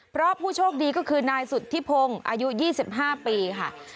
เพราะผู้โชคดีก็คือนายสุธิพงศ์อายุ๒๕ปีค่ะ